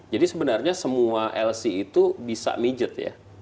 jadi sebenarnya semua lc itu bisa pijat ya